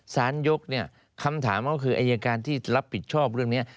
สารยกเนี่ยคำถามก็คืออายการที่รับผิดชอบเรื่องนี้